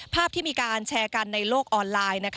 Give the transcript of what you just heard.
ภาพที่มีการแชร์กันในโลกออนไลน์